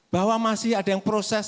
bahwa masih ada yang proses